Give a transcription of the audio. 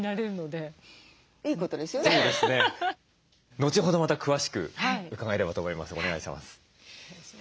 後ほどまた詳しく伺えればと思います。